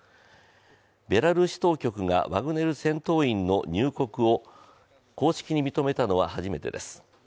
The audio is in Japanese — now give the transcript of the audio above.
ベラルーシ当局がワグネル戦闘員の入国を公式に認めたのは初めてです。